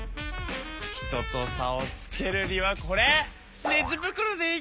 ひとと差をつけるにはこれ！